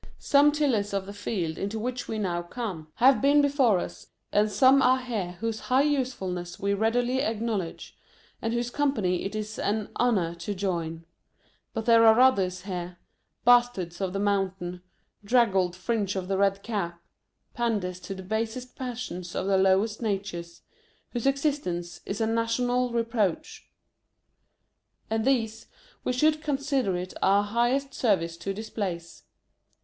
Some tillers of the field into which we now 2 HOUSEHOLD WOEDS. (.Conducted by come, have been before us, and some are here whose high usefulness we readily ac knowledge, and whose company it is an honour to join. But, there are others here — Bastards of the Mountain, draggled fringe on the Red Cap, Panders to the basest passions of the lowest natures — whose existence is a national reproach. And these, we should consider it our highest service to displace.